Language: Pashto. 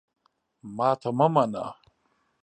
ماته مه منه !